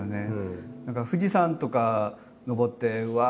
富士山とか登ってうわ！